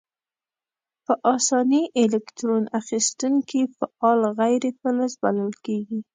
په آساني الکترون اخیستونکي فعال غیر فلز بلل کیږي.